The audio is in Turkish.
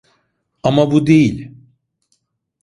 Ama bu değil.